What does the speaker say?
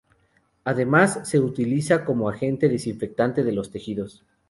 Además, se utiliza como agente desinfectante de los tejidos.